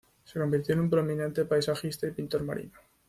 Se convirtió en un prominente paisajista y pintor marino.